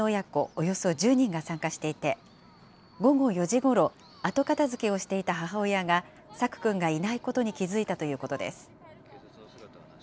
およそ１０人が参加していて、午後４時ごろ、後片づけをしていた母親が、朔くんがいないことに気付いたということです。